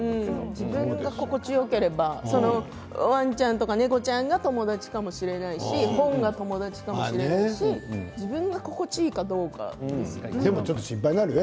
自分が心地よければワンちゃんや猫ちゃんが友達かもしれないし本が友達かもしれないし自分が心地いいかどうかですね。